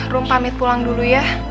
rum pamit pulang dulu ya